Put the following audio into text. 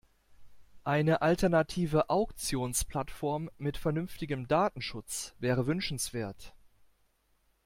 Eine alternative Auktionsplattform mit vernünftigem Datenschutz wäre wünschenswert.